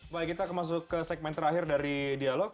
baik kita akan masuk ke segmen terakhir dari dialog